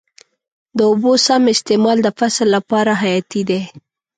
د اوبو سم استعمال د فصل لپاره حیاتي دی.